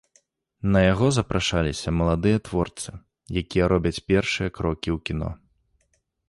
На яго запрашаліся маладыя творцы, якія робяць першыя крокі ў кіно.